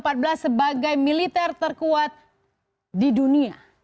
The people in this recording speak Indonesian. kita berada pada posisi keempat belas sebagai militer terkuat di dunia